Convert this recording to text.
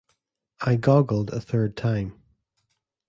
I goggled a third time.